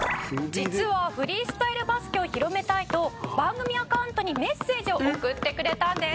「実はフリースタイルバスケを広めたいと番組アカウントにメッセージを送ってくれたんです」